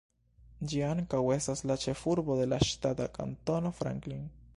Ĝi ankaŭ estas la ĉefurbo de la ŝtata Kantono Franklin.